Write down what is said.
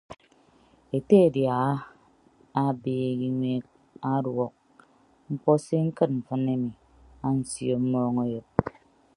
Ete adiaha mm abeti eñweek ọduọk mkpọ se ñkịd mfịn ami ansio mmọọñeyịdo.